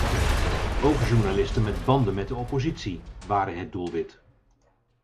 Ook journalisten met banden met de oppositie waren het doelwit.